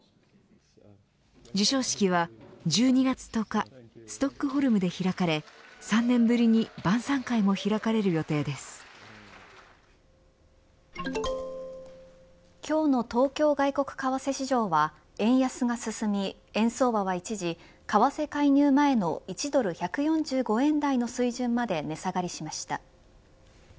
授賞式は１２月１０日ストックホルムで開かれ３年ぶりに今日の東京外国為替市場は円安が進み円相場は一時為替介入前の１ドル１４５円台の水準まで値下がりしました。